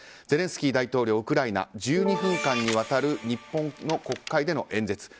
ゼレンスキー大統領、ウクライナ１２分間にわたる日本の国会での演説。